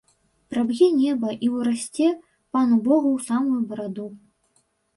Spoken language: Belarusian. Праб'е неба і ўрасце пану богу ў самую бараду.